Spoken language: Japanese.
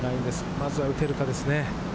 まずは打てるかですね。